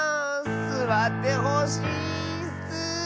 すわってほしいッス！」。